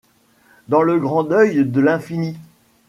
Dans le grand deuil de l’infini.